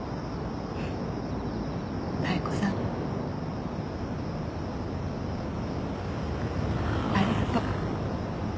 妙子さんありがとう。